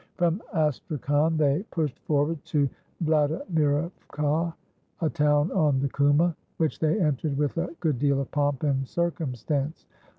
From Astrakhan they pushed forward to Vladimirofka, a town on the Kuma, which they entered with a good deal of pomp and circumstance.